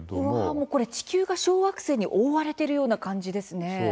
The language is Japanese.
地球が小惑星に覆われているような感じですね。